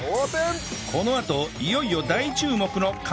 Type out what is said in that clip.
このあといよいよ大注目の感想！